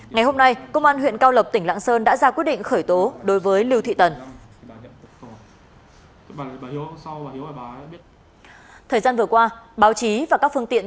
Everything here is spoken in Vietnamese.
ngày hôm nay công an huyện cao lộc tỉnh lạng sơn đã ra quyết định khởi tố đối với lưu thị tần